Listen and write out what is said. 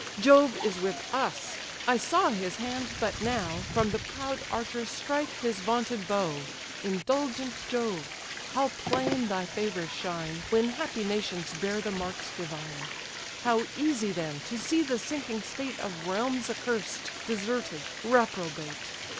Jove is with us; I saw his hand, but now, From the proud archer strike his vaunted bow: Indulgent Jove! how plain thy favours shine, When happy nations bear the marks divine! How easy then, to see the sinking state Of realms accursed, deserted, reprobate!